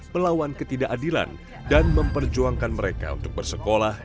melawan ketidakadilan dan memperjuangkan mereka untuk bersekolah